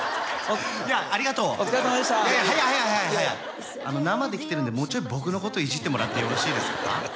お疲れさまでした早い早い生で来てるんでもうちょい僕のこといじってもらってよろしいですか？